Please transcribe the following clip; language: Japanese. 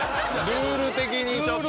ルール的にちょっと。